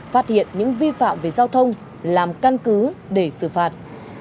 phát hiện những vi phạm về giao thông làm căn cứ để xử phạt